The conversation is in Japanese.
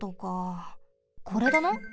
これだな？